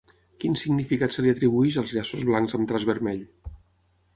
Quin significat se li atribueix als llaços blancs amb traç vermell?